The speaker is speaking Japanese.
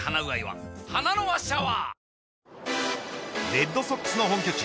レッドソックスの本拠地